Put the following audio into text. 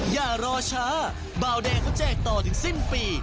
อย่ารอช้าเบาแดงเขาแจกต่อถึงสิ้นปี